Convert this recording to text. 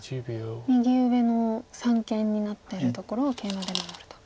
右上の三間になってるところをケイマで守ると。